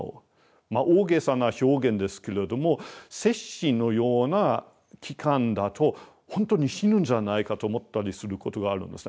まあ大げさな表現ですけれども接心のような期間だとほんとに死ぬんじゃないかと思ったりすることがあるんですね。